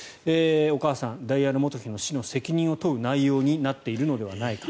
お母さん、ダイアナ元妃の死の責任を問う内容になっているのではないか。